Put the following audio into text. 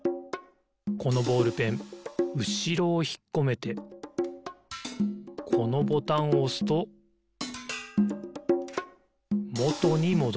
このボールペンうしろをひっこめてこのボタンをおすともとにもどる。